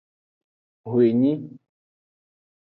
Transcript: Xwenyi.